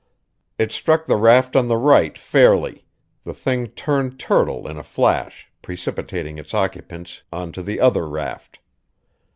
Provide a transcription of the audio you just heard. It struck the raft on the right fairly; the thing turned turtle in a flash, precipitating its occupants onto the other raft.